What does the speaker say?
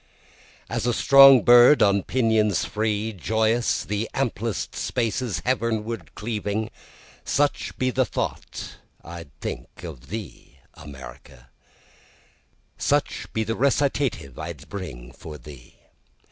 2 As a strong bird on pinions free, Joyous, the amplest spaces heavenward cleaving, Such be the thought I'd think of thee America, Such be the recitative I'd bring for thee.